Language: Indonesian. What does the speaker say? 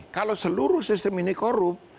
kalau seluruh sistem ini korup